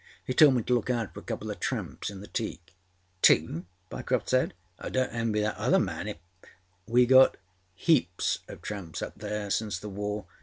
He told me to look out for a couple of tramps in the teak.â âTwo?â Pyecroft said. âI donât envy that other man ifâââ âWe get heaps of tramps up there since the war.